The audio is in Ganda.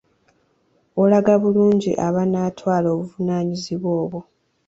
Olaga bulungi abanaatwala obuvunaanyizibwa obwo.